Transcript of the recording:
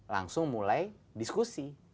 langsung mulai diskusi